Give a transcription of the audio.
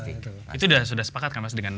itu sudah sepakat dengan